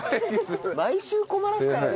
毎週困らすからね。